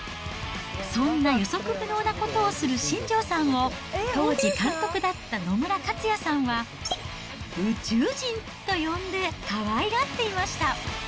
そんな予測不能なことをする新庄さんを、当時、監督だった野村克也さんは、宇宙人と呼んで、かわいがっていました。